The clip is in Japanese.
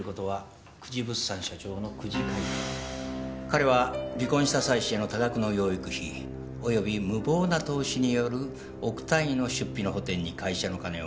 彼は離婚した妻子への多額の養育費及び無謀な投資による億単位の出費の補填に会社の金を不正に流用した疑い。